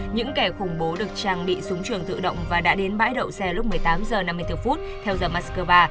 những kẻ khủng bố được trang bị súng trường tự động và đã đến bãi đậu xe lúc một mươi tám h năm mươi bốn theo giờ moscow